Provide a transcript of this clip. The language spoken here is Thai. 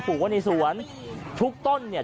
ปลูกว่าในสวนทุกต้นเนี่ย